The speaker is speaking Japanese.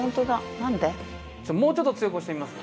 もうちょっと強く押してみます？